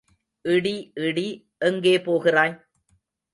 இடி இடி எங்கே போகிறாய்?